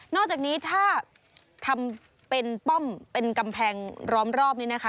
อกจากนี้ถ้าทำเป็นป้อมเป็นกำแพงล้อมรอบนี้นะคะ